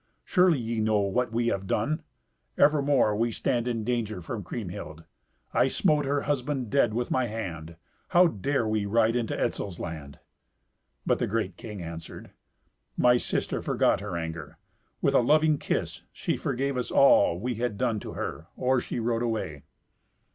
Surely ye know what we have done. Evermore we stand in danger from Kriemhild. I smote her husband dead with my hand. How dare we ride into Etzel's land?" But the king answered, "My sister forgot her anger. With a loving kiss she forgave us for all we had done to her or she rode away.